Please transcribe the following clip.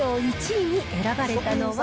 １位に選ばれたのは。